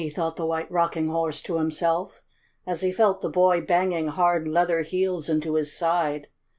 thought the White Rocking Horse to himself, as he felt the boy banging hard, leather heels into his side.